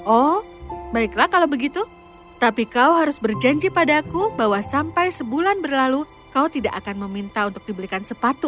oh baiklah kalau begitu tapi kau harus berjanji padaku bahwa sampai sebulan berlalu kau tidak akan meminta untuk dibelikan sepatu